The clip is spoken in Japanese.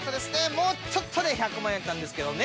もうちょっとで１００万円やったんですけどね。